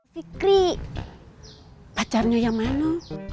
pikri pacarnya yang mana